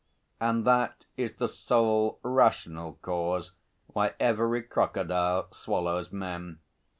And that is the sole rational cause why every crocodile swallows men.